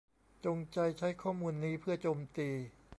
จงใจใช้ข้อมูลนี้เพื่อโจมตี